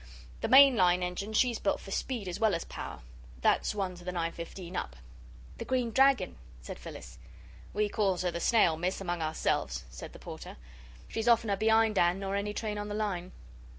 The main line engine she's built for speed as well as power. That's one to the 9.15 up." "The Green Dragon," said Phyllis. "We calls her the Snail, Miss, among ourselves," said the Porter. "She's oftener be'ind'and nor any train on the line."